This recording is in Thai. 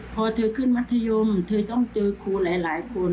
พอเธอขึ้นมัธยมเธอต้องเจอครูหลายคน